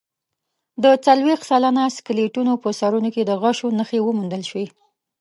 د څلوېښت سلنه سکلیټونو په سرونو کې د غشو نښې وموندل شوې.